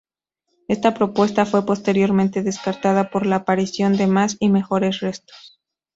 Esta propuesta fue posteriormente descartada con la aparición de más y mejores restos.